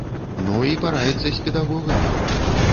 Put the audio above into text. Ну, і параіцца з педагогамі.